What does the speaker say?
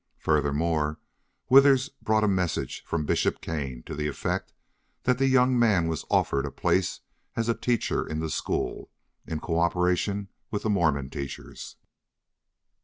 Furthermore, Withers brought a message form Bishop Kane to the effect that the young man was offered a place as teacher in the school, in co operation with the Mormon teachers.